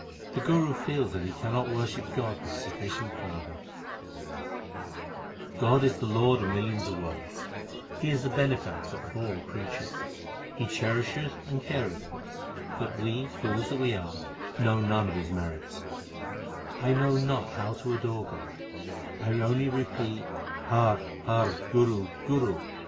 The Guru feels that he cannot worship God with sufficient fervour : God is the Lord of millions of worlds ; He is the Bene factor of all creatures. He cherisheth and careth for us ; but we, fools that we are, know none of His merits. 1 know not how to adore God. I only repeat Har, Har, Guru, Guru